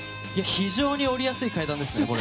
非常に下りやすい階段ですね。